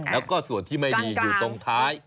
แล้วก็ส่วนที่ไม่ดีอยู่ตรงท้าย